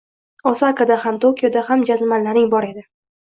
Osakada ham, Tokioda ham jazmanlaring bor edi